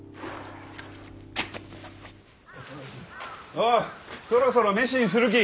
おうそろそろ飯にするき！